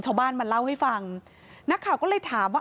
ชาวบ้านมาเล่าให้ฟังนักข่าวก็เลยถามว่า